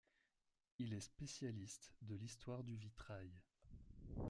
Il est spécialiste de l'histoire du vitrail.